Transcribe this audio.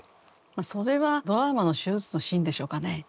それはドラマの手術のシーンでしょうかね。